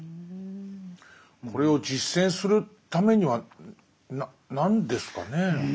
これを実践するためには何ですかね。